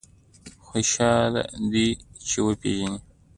خوشاله دی چې وپېژني.